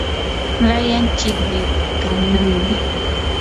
rayan chilqikannami.